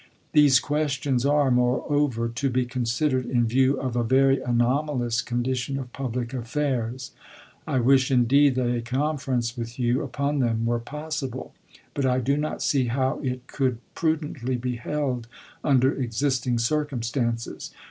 These questions are, more over, to be considered in view of a very anomalous condi tion of public affairs. I wish, indeed, that a conference with you upon them were possible. But I do not see how it could prudently be held under existing circumstances.